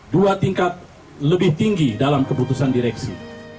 dua tingkat lebih tinggi dalam keputusan direksi